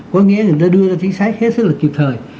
có nghĩa là đưa ra chính sách hết sức là kịp thời